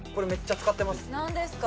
何ですか？